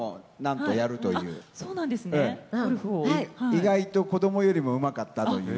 意外と子どもよりもうまかったという。